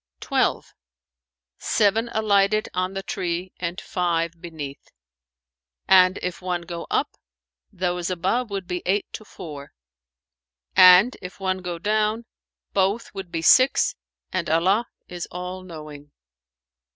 "Twelve: seven alighted on the tree and five beneath; and, if one go up, those above would be eight to four; and, if one go down, both would be six and Allah is all knowing."